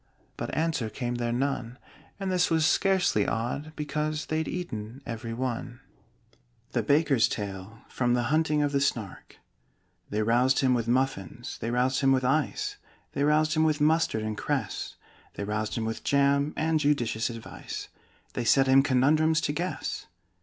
But answer came there none And this was scarcely odd, because They'd eaten every one. THE BAKER'S TALE From 'The Hunting of the Snark' They roused him with muffins they roused him with ice They roused him with mustard and cress They roused him with jam and judicious advice They set him conundrums to guess.